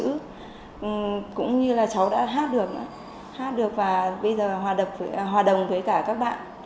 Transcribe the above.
cũng như là cháu đã hát được hát được và bây giờ hòa đồng với cả các bạn